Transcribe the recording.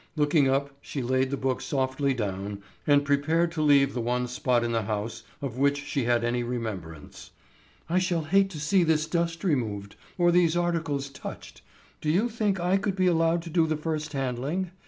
Looking up she laid the book softly down and prepared to leave the one spot in the house of which she had any remembrance. "I shall hate to see this dust removed, or these articles touched. Do you think I could be allowed to do the first handling?